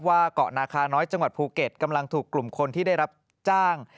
ว่าเกาะนาคาน้อยจังหวัดภูเก็ตกำลังถูกกลุ่มคนที่ได้รับจ้าง